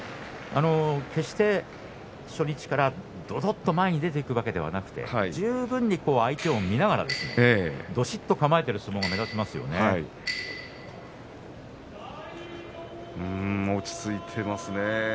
決して初日からどどっと前に出ていくわけではなくて十分に相手を見ながらどしっと構えている相撲が落ち着いていますね。